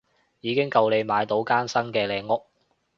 已經夠你買到間新嘅靚屋